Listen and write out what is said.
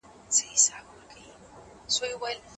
بهرنۍ پالیسي د سولي پر وړاندي خنډ نه دی.